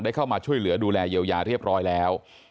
เข้ามาช่วยเหลือดูแลเยียวยาเรียบร้อยแล้ว